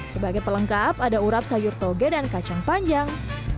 sebagai pelengkap ada urap sayur toge dan kacang panjang